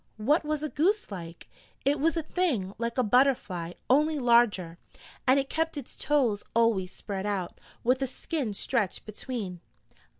'What was a goose like?' 'It was a thing like a butterfly, only larger, and it kept its toes always spread out, with a skin stretched between.'